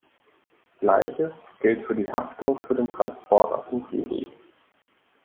Gleiches gilt für die Haftung für den Transport auf dem Seeweg.